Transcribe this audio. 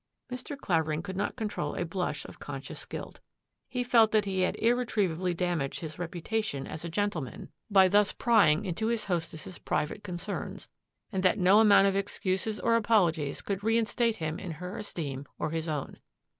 Mr. Clavering could not control a blush of con scious guilt. He felt that he had irretrievably damaged his reputation as a gentleman by thus THE DRESSING TABLE DRAWER 107 prying into his hostess's private concerns and that no amount of excuses or apologies could reinstate him in her esteem or his own.